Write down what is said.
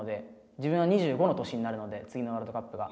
自分が２５の年になるので次のワールドカップが。